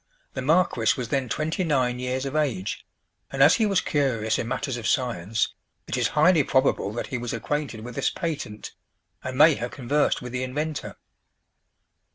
The marquis was then twenty nine years of age, and as he was curious in matters of science, it is highly probable that he was acquainted with this patent, and may have conversed with the inventor.